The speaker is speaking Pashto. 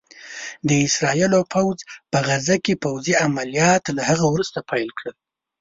د اسرائيلو پوځ په غزه کې پوځي عمليات له هغه وروسته پيل کړل